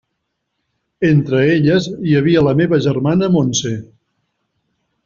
Entre elles hi havia la meva germana Montse.